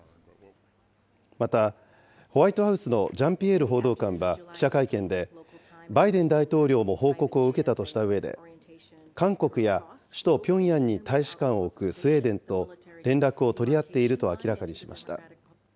また、ホワイトハウスのジャンピエール報道官は記者会見で、バイデン大統領も報告を受けたとしたうえで、韓国や首都ピョンヤンに大使館を置くスウェーデンと連絡を取り合っていると明らかにしました。